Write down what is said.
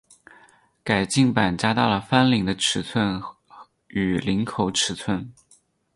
改进版加大了翻领的尺寸与领口尺寸。